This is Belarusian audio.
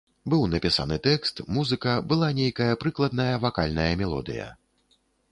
Быў напісаны тэкст, музыка, была нейкая прыкладная вакальная мелодыя.